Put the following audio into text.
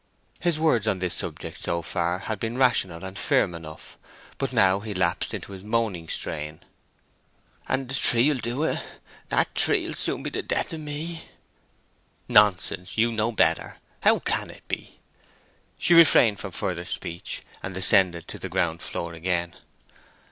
His words on this subject so far had been rational and firm enough. But now he lapsed into his moaning strain: "And the tree will do it—that tree will soon be the death of me." "Nonsense, you know better. How can it be?" She refrained from further speech, and descended to the ground floor again.